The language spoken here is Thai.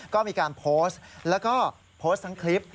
ก็มีการโพสต์แล้วก็โพสต์ทั้งคลิป